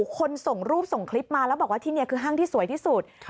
ส่งรูปส่งคลิปมาแล้วบอกว่าที่นี่คือห้างที่สวยที่สุด